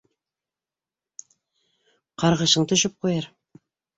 Ҡарғышың төшөп ҡуйыр.